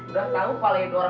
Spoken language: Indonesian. udah ijazahnya dikasih sama orang